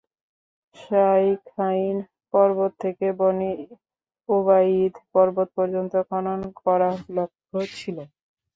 শাইখাইন পর্বত থেকে বনী উবাইদ পর্বত পর্যন্ত খনন করা লক্ষ্য ছিল।